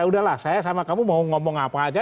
udahlah saya sama kamu mau ngomong apa aja